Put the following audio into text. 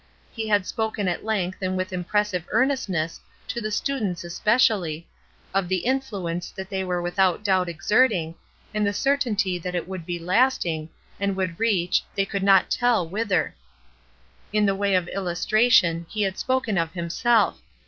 He had spoken at length and with impressive earnestness to the students es pecially, of the influence that they were with out doubt exerting, and the certainty that it would be lasting, and would reach — they could not tell whither. In the way of illustration, he had spoken of himself.